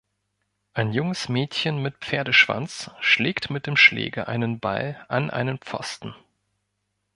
Ein junges Mädchen mit Pferdeschwanz schlägt mit dem Schläger einen Ball an einen Pfosten.